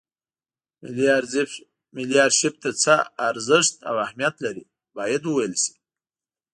ملي ارشیف څه ارزښت او اهمیت لري باید وویل شي.